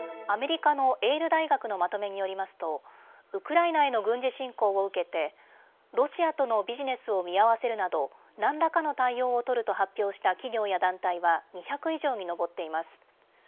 アメリカのエール大学のまとめによりますとウクライナへの軍事侵攻を受けてロシアとのビジネスを見合わせるなど何らかの対応を取ると発表した企業や団体は２００以上に上っています。